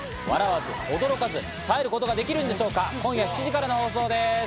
笑わず、驚かず、耐えることができるんでしょうか、今夜７時からの放送です。